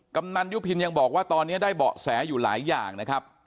กำนันยุพินยังบอกว่าตอนนี้ได้เบาะแสอยู่หลายอย่างนะครับ